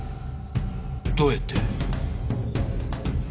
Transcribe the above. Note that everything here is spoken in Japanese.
どうやって？